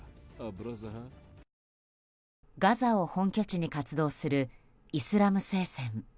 ガザを本拠地に活動するイスラム聖戦。